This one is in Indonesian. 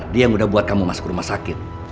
dia yang udah buat kamu masuk ke rumah sakit